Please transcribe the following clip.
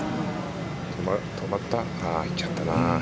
止まった、いっちゃったな。